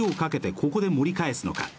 ここで盛り返すのか。